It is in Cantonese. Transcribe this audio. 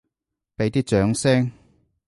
畀啲掌聲！